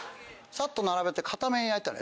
さっと並べて片面焼いたらね